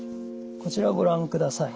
こちらをご覧ください。